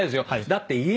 だって。